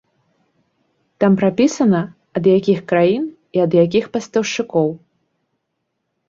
Там прапісана, ад якіх краін і ад якіх пастаўшчыкоў.